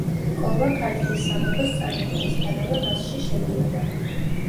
კოლა ქართლის სამეფოს წარმოქმნისთანავე მასში შედიოდა.